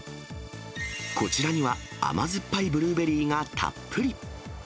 こちらには、甘酸っぱいブルーベリーがたっぷり。